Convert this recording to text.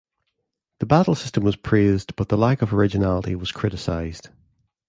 The battle system was praised, but the lack of originality was criticized.